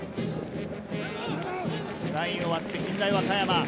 ラインを割って近大和歌山。